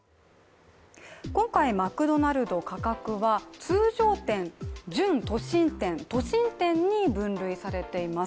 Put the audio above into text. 今回、マクドナルドの価格は通常店、準都心店、都心店に分類されています。